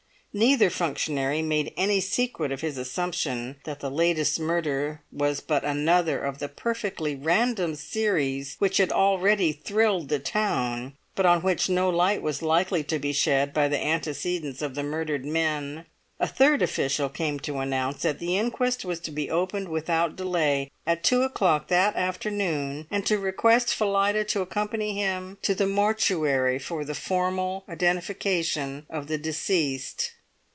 Neither functionary made any secret of his assumption that the latest murder was but another of the perfectly random series which had already thrilled the town, but on which no light was likely to be shed by the antecedents of the murdered men. A third official came to announce that the inquest was to be opened without delay, at two o'clock that afternoon, and to request Phillida to accompany him to the mortuary for the formal identification of the deceased.